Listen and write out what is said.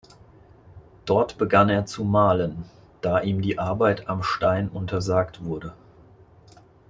Dort begann er zu malen, da ihm die Arbeit am Stein untersagt wurde.